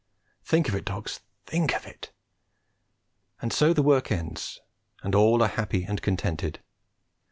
Think of it, dogs! think of it! And so the work ends, and all are happy and contented.